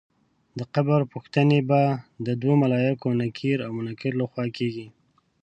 د قبر پوښتنې به د دوو ملایکو نکیر او منکر له خوا کېږي.